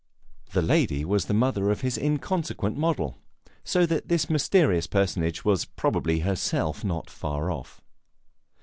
The lady was the mother of his inconsequent model, so that this mysterious personage was probably herself not far off.